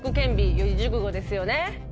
四字熟語ですよね。